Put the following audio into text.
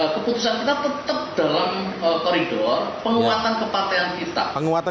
keputusan kita tetap dalam koridor penguatan kepartean kita